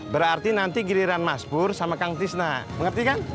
berarti nanti giliran mas bur sama kang tisna mengerti kan